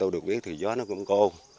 tôi được biết thì gió nó cũng cô